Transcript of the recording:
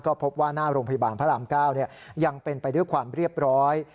ก็พบว่าหน้าโรงพยาบาลพระราม๙ยังเป็นไปด้วยความเรียบร้อย